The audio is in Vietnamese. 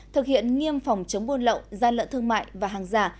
thực hiện nghiêm phòng chống buôn lậu gian lận thương mại và hàng giả